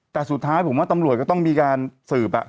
แต่สุดท้ายผมว่าตำรวจก็ต้องมีการสืบ